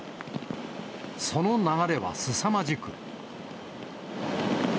その流れはすさまじく。